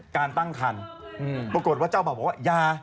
การตั้งคันปรากฏว่าเจ้าบ่าวบอกว่ายา